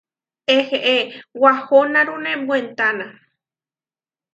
Eheé, wahonárune wentána.